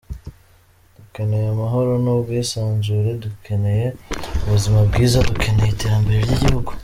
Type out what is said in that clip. Dukeneye amahoro n’ubwisanzure, dukeneye ubuzima bwiza, dukeneye iterambere ry’igihugu.